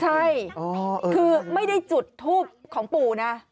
ใช่คือไม่ได้จุดทูปของปู่นะ